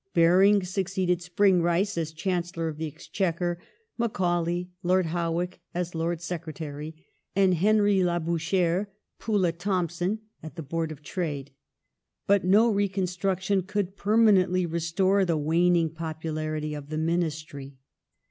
Baring succeeded Spring Rice as Chancellor of Exchequer; Macaulay, Lord Howick as War Secretary, and Henry Labouchere, Poulett Thomson at the Board of Trade. But no reconstruction could permanently restore the waning popularity of the Ministry.